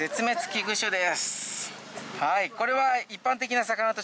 はいこれは。